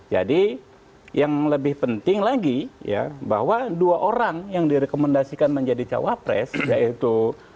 jadi yang lebih penting lagi ya bahwa dua orang yang direkomendasikan menjadi cawapres yaitu